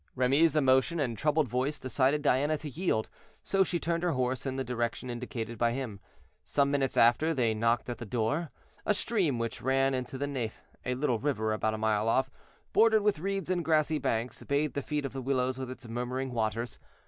Remy's emotion and troubled voice decided Diana to yield, so she turned her horse in the direction indicated by him. Some minutes after, they knocked at the door. A stream (which ran into the Nethe, a little river about a mile off), bordered with reeds and grassy banks, bathed the feet of the willows with its murmuring waters.